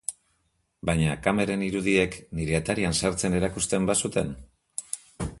Baina kameren irudiek nire atarian sartzen erakusten bazuten?